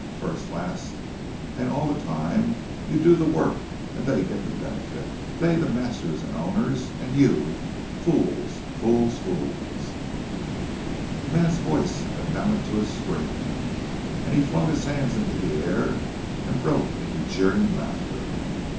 _ First, last, and all the time, you do the work and they get the benefit—they, the masters and owners, and you—fools—fools—fools!" The man's voice had mounted to a scream, and he flung his hands into the air and broke into jeering laughter.